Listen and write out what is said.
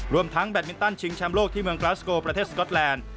รวมทั้งแบตมินตันชิงแชมป์โลกที่เมืองกราสโกประเทศสก๊อตแลนด์